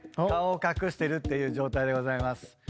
顔を隠してるっていう状態でございます。